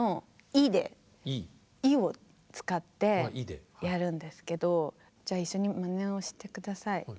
「い」を使ってやるんですけどじゃあ一緒にまねをして下さい。